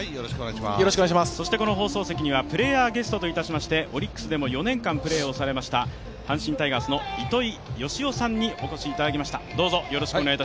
この放送席にはプレーヤーゲストといたしましてオリックスでも４年間プレーをされました阪神タイガースの糸井嘉男さんにお越しいただきました。